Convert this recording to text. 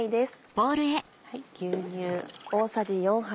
牛乳。